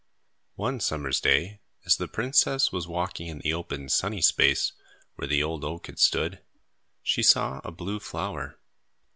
One summer's day, as the princess was walking in the open, sunny space, where the old oak had stood, she saw a blue flower.